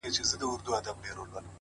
دا کتاب ختم سو نور’ یو بل کتاب راکه’